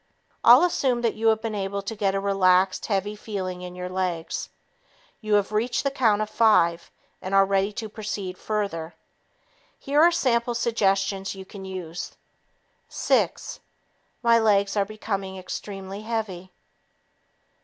I'll assume that you have been able to get a relaxed, heavy feeling in your legs. You have reached the count of five and are ready to proceed further. Here are sample suggestions you can use: "Six ... My legs are becoming extremely heavy.